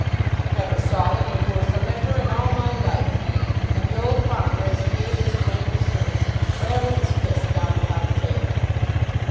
"Never saw him the worse o' liquor in all my life." And the old farmer, as he gave this grand assurance, rattled his fist down upon the table.